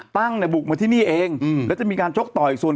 ตั้งเนี่ยบุกมาที่นี่เองแล้วจะมีการชกต่ออีกส่วน